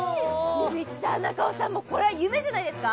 弓木さん中尾さんもこれは夢じゃないですか？